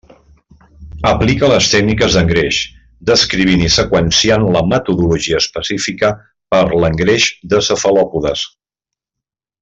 Aplica les tècniques d'engreix, descrivint i seqüenciant la metodologia específica per l'engreix de cefalòpodes.